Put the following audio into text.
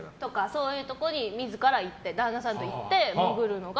そういうところに自ら旦那さんと行って、潜るのが。